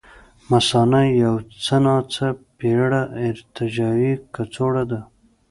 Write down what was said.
مثانه یو څه ناڅه پېړه ارتجاعي کڅوړه ده.